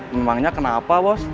memangnya kenapa bos